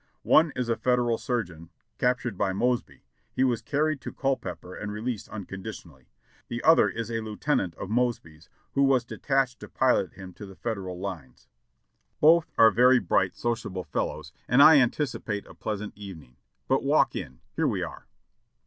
"One is a Federal surgeon, captured by Mosby. He was carried to Culpeper and released unconditionally. The other is a lieuten ant of Mosby's who was detached to pilot him to the Federal lines. Both are very bright, sociable fellows and I anticipate a pleasant evening. But walk in, here we are."